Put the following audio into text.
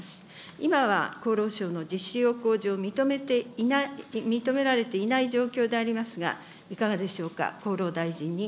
今は厚労省の実施要項上、認められていない状況でありますが、いかがでしょうか。